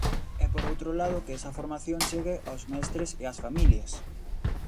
E por outro lado que esa formación chegue aos mestres e ás familias.